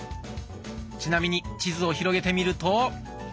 ちなみに地図を広げてみると。